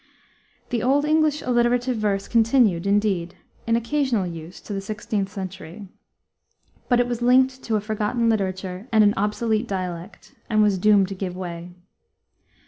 The old English alliterative verse continued, indeed, in occasional use to the 16th century. But it was linked to a forgotten literature and an obsolete dialect, and was doomed to give way.